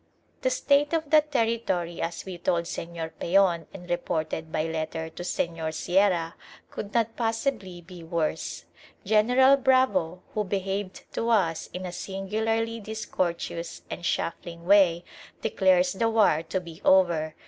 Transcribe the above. The state of that Territory, as we told Señor Peon and reported by letter to Señor Sierra, could not possibly be worse. General Bravo, who behaved to us in a singularly discourteous and shuffling way, declares the war to be over.